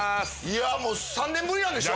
もう３年ぶりなんでしょ？